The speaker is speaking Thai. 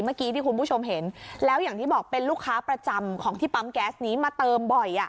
เมื่อกี้ที่คุณผู้ชมเห็นแล้วอย่างที่บอกเป็นลูกค้าประจำของที่ปั๊มแก๊สนี้มาเติมบ่อย